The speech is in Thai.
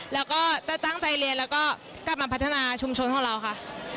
แล้วก็ตั้งใจเรียนแล้วก็กลับมาพัฒนาชุมชนของเราค่ะ